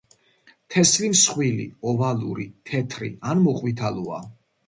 თესლი მსხვილი, ოვალური, თეთრი ან მოყვითალოა.